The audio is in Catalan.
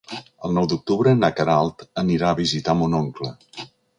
El nou d'octubre na Queralt anirà a visitar mon oncle.